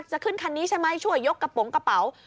จะขึ้นคันนี้ใช่ไหมช่วยยกกระโปรงกระเป๋า